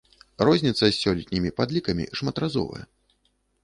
Розніца з сёлетнімі падлікамі шматразовая.